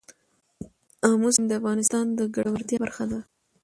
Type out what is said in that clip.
آمو سیند د افغانانو د ګټورتیا برخه ده.